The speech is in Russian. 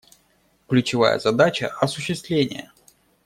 Ключевая задача — осуществление.